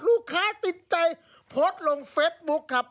ลูกค้าติดใจโพสต์ลงเฟซบุ๊คค่ะ